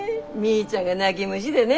ーちゃんが泣ぎ虫でね。